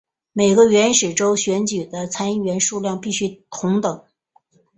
每个原始州选举的参议员数量必须同等。